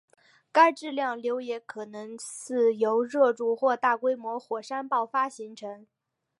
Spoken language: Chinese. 该质量瘤也可能是由热柱或大规模火山爆发形成。